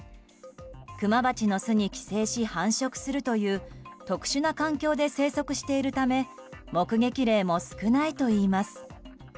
クマバチの巣に寄生し繁殖するという特殊な環境で生息しているため目撃例も少ないといいます。